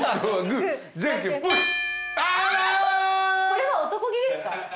これは男気ですか？